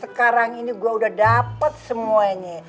sekarang ini gue udah dapet semuanya